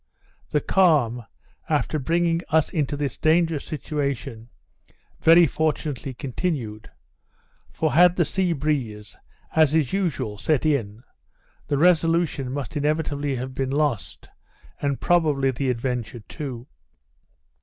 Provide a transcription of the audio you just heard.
The calm, after bringing us into this dangerous situation, very fortunately continued; for, had the sea breeze, as is usual, set in, the Resolution must inevitably have been lost, and probably the Adventure too.